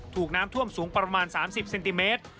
ถูกน้ำท่วมสูงประมาณ๓๐เซนติเมตร